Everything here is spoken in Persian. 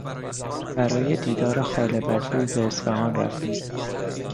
برای دیدار خاله بتول به اصفهان رفتیم.